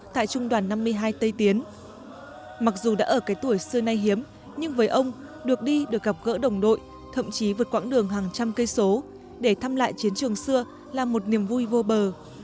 tại trung đoàn năm mươi hai tây tiến mặc dù đã ở cái tuổi xưa nay hiếm nhưng với ông được đi được gặp gỡ đồng đội thậm chí vượt quãng đường hàng trăm cây số để thăm lại chiến trường xưa là một niềm vui vô bờ